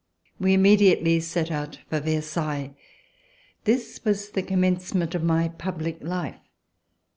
We immediately set out for Ver sailles. This was the commencement of my public life.